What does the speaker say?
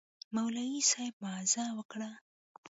مولوي صاحب موعظه وکړه.